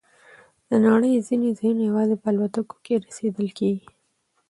د نړۍ ځینې ځایونه یوازې په الوتکو کې رسیدل کېږي.